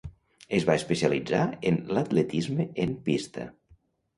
Es va especialitzar en l'atletisme en pista.